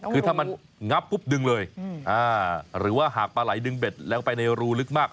คือถ้ามันงับปุ๊บดึงเลยหรือว่าหากปลาไหลดึงเบ็ดลงไปในรูลึกมาก